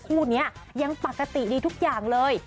คู่นี้ยังปกติดีทุกอย่างเลย